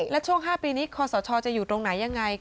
และตั้งค์วันนี้ควานสมชาติจะอยู่ตรงไหนยังไง